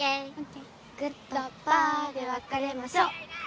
ぐっとぱーでわかれましょ！